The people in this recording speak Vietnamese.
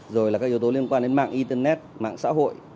rồi là các yếu tố liên quan đến mạng internet mạng xã hội